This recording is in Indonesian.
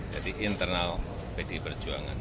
jadi internal pd perjuangan